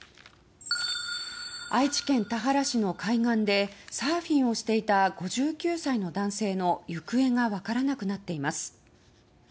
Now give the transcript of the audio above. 愛知県田原市の海岸でサーフィンをしていた５９歳の男性の行方が分からなくなっています。